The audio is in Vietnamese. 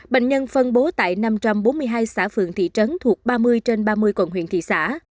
bệnh nhân phân bố tại năm trăm bốn mươi hai xã phượng thị trấn thuộc ba mươi trên ba mươi quận huyện thị xã